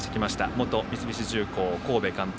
元三菱重工神戸監督。